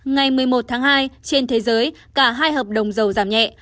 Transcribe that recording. ngày một mươi một tháng hai trên thế giới cả hai hợp đồng dầu giảm nhẹ